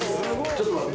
ちょっと待って。